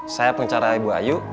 saya pengacara ibu ayu